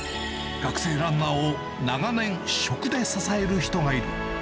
学生ランナーを長年、食で支える人がいる。